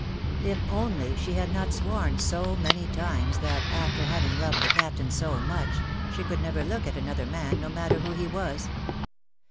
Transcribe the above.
If only she had not sworn so many times, that, after having loved the Captain so much, she could never look at any other man, no matter who he was!